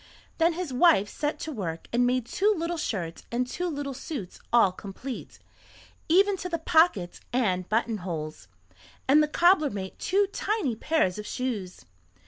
Then his wife set to work and made two little shirts and two little suits all complete, even to the pockets and buttonholes, and the cobbler made two tiny pairs of shoes.